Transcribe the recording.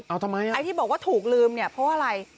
เอาทำไมอ่ะไอ้ที่บอกว่าถูกลืมเนี่ยเพราะว่าอะไร